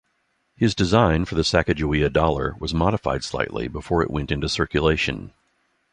His design for the Sacagawea dollar was modified slightly before it went into circulation.